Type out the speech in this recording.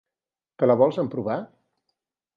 Te la vols emprovar?